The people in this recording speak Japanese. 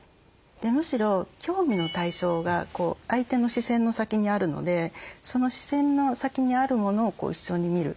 むしろ興味の対象が相手の視線の先にあるのでその視線の先にある物を一緒に見る。